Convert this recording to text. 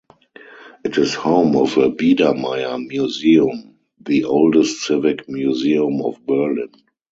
It is home of a Biedermeier museum, the oldest civic museum of Berlin.